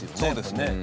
そうですね。